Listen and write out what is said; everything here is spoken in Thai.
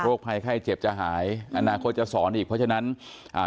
ภัยไข้เจ็บจะหายอนาคตจะสอนอีกเพราะฉะนั้นอ่า